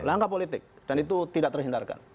langkah politik dan itu tidak terhindarkan